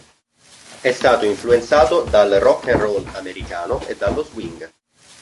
È stato influenzato dal rock and roll americano e dallo swing.